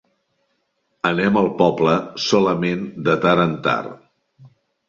Anem al poble solament de tard en tard.